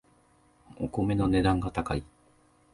お米の値段が高い